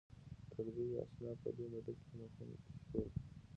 ټولګي یا اصناف په دې موده کې مهم شول.